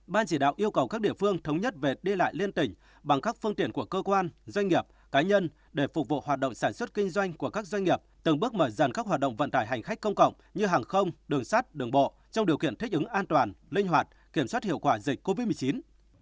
ban chỉ đạo yêu cầu các địa phương thống nhất về đi lại liên tỉnh bằng các phương tiện của cơ quan doanh nghiệp cá nhân để phục vụ hoạt động sản xuất kinh doanh của các doanh nghiệp từng bước mở dần các hoạt động vận tải hành khách công cộng như hàng không đường sắt đường bộ trong điều kiện thích ứng an toàn linh hoạt kiểm soát hiệu quả dịch covid một mươi chín